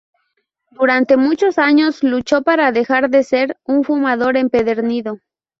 Durante muchos años luchó para dejar de ser un fumador empedernido.